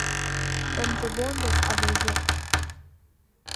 Ҳрымџьабондаз абыржәык!